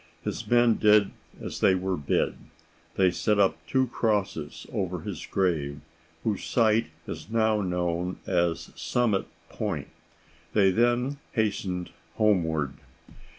His men did as they were bid. They set up two crosses over his grave, whose site is now known as Summit Point. They then hastened homeward.